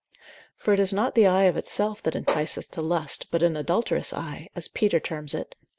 For it is not the eye of itself that enticeth to lust, but an adulterous eye, as Peter terms it, 2.